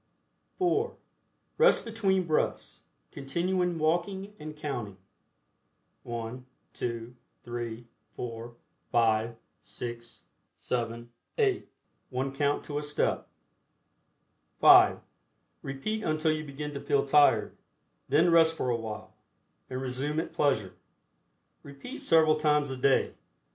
(4) Rest between breaths, continuing walking and counting, I, 2, 3, 4, 5, 8, 7, 8, one count to a step. (5) Repeat until you begin to feel tired. Then rest for a while, and resume at pleasure. Repeat several times a day.